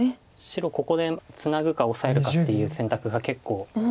白ここでツナぐかオサえるかっていう選択が結構。